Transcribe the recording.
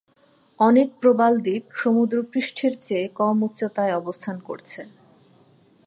অনেক প্রবাল দ্বীপ সমুদ্রপৃষ্ঠের চেয়ে কম উচ্চতায় অবস্থান করছে।